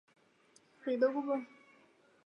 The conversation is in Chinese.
曾化名林涛。